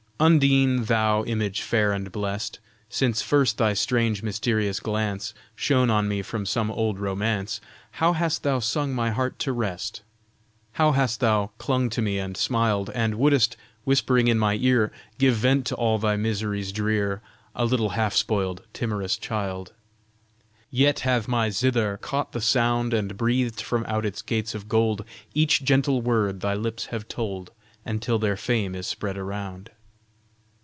Undine, thou image fair and blest, Since first thy strange mysterious glance, Shone on me from some old romance, How hast thou sung my heart to rest! How hast thou clung to me and smiled, And wouldest, whispering in my ear, Give vent to all thy miseries drear, A little half spoiled timorous child! Yet hath my zither caught the sound, And breathed from out its gates of gold, Each gentle word thy lips have told, Until their fame is spread around.